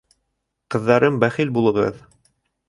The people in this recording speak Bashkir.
Ҡыҙҙарым бәхил булығыҙ.